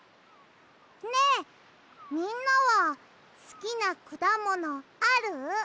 ねえみんなはすきなくだものある？